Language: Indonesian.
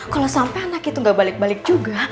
kalau sampai anak itu gak balik balik juga